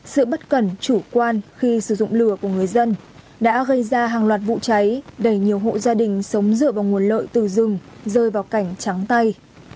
sự bất cẩn chủ quan khi sử dụng lửa của người dân đã gây ra hàng loạt vụ cháy đầy nhiều hộ gia đình sống dựa vào nguồn lợi từ rừng rơi vào cảnh trắng tay